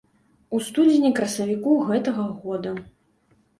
У студзені-красавіку гэтага года.